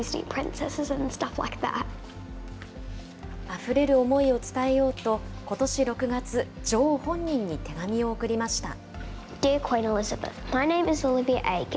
あふれる思いを伝えようと、ことし６月、女王本人に手紙を送りました。